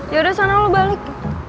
yaudah sana lo balik